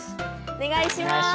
お願いします！